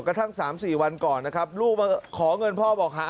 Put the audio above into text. กระทั่ง๓๔วันก่อนนะครับลูกมาขอเงินพ่อบอกหา